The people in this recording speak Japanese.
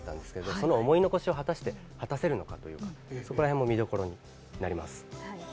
その思い残しを果たして果たせるのかというそこら辺も見どころになります。